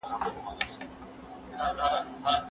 په انګلستان کي هم داسې پېښې لیدل کېږي.